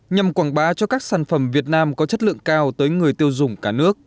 nhằm quảng bá cho các sản phẩm việt nam có chất lượng cao tới người tiêu dùng cả nước